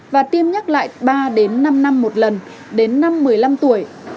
và tiêm nhắc lại ba đến năm năm một lần đến năm một mươi năm tuổi